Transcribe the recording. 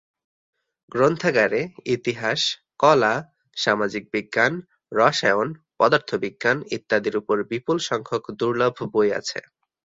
গ্রন্থাগারে ইতিহাস, কলা, সামাজিক বিজ্ঞান, রসায়ন, পদার্থবিজ্ঞান, ইত্যাদির উপর বিপুল সংখ্যক দুর্লভ বই আছে।